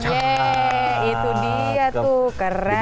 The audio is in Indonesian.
yeay itu dia tuh keren